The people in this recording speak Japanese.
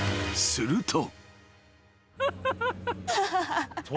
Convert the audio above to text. ［すると］